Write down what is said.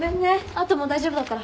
あともう大丈夫だから。